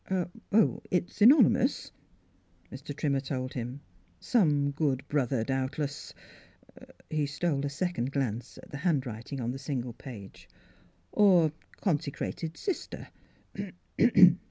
" It's anonymous," Mr. Trimmer told him. " Some good brother doubtless —" He stole a second glance at the hand writing on the single page —" or conse crated sister."